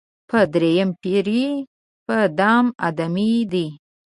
په دم پېریه، په دم آدمې دي